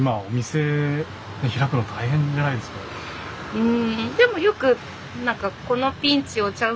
うん。